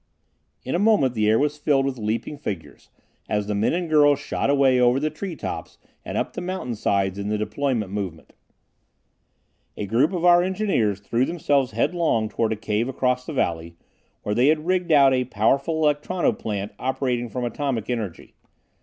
In a moment the air was filled with leaping figures as the men and girls shot away over the tree tops and up the mountain sides in the deployment movement. A group of our engineers threw themselves headlong toward a cave across the valley, where they had rigged out a powerful electrono plant operating from atomic energy.